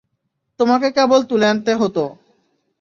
তোমাকে কেবল তুলে আনতে হত।